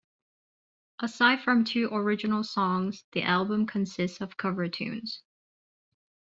Aside from two original songs, the album consists of cover tunes.